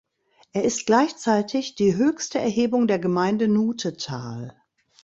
Er ist gleichzeitig die höchste Erhebung der Gemeinde Nuthetal.